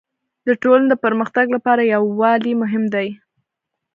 د ټولني د پرمختګ لپاره يووالی مهم دی.